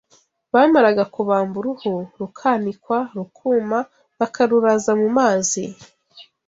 Bamaraga kubamba uruhu rukanikwa rukuma bakaruraza mu mazi